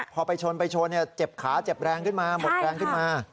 พอไปชนไปชนเจ็บขาเจ็บแรงขึ้นมาหมดแรงขึ้นมา